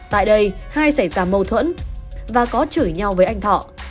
tại đây hai xảy ra mâu thuẫn và có chửi nhau với anh thọ